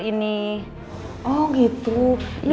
ini juga mampu meredakan nyeri otot panggul